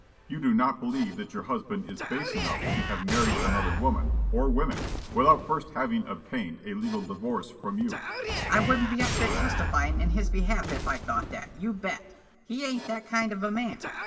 You do not believe that your husband is base enough to have married another woman, or women, without first having obtained a legal divorce from you?" Mrs. Smilk: "I wouldn't be up here testifying in his behalf if I thought that, you bet. He ain't that kind of a man.